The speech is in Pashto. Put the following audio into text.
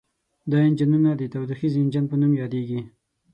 دا انجنونه د تودوخیز انجن په نوم یادیږي.